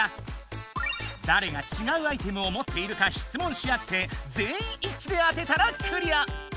だれがちがうアイテムを持っているか質問しあってぜんいんいっちで当てたらクリア！